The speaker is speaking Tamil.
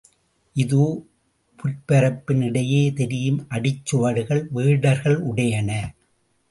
இதோ புற்பரப்பின் இடையே தெரியும் அடிச்சுவடுகள் வேடர்களுடையன.